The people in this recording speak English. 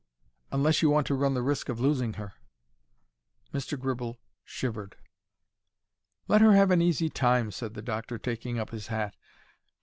"Unless you want to run the risk of losing her." Mr. Gribble shivered. "Let her have an easy time," said the doctor, taking up his hat.